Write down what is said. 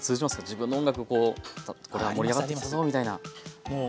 自分の音楽こう盛り上がってきたぞみたいな。ありますあります。